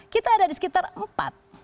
kita ada di sekitar empat